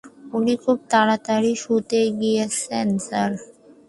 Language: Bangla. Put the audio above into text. উনি খুব তাড়াতাড়ি শুতে গিয়েছেন, স্যার।